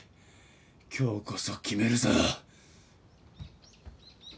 今日こそ決めるぞ。